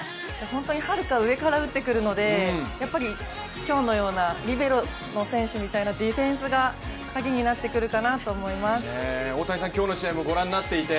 本当にはるか上から打ってくるので今日のようなリベロの選手みたいなディフェンスが鍵になってくるかなと思います。